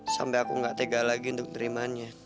sampai aku gak tega lagi untuk nerimaannya